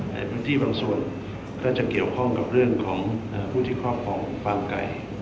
ในพื้นที่บางส่วนก็จะเกี่ยวข้องกับเรื่องของผู้ที่ครอบครองฟาร์มไก่